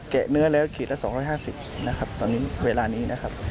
เนื้อแล้วขีดละ๒๕๐นะครับตอนนี้เวลานี้นะครับ